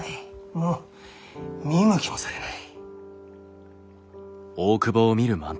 もう見向きもされない。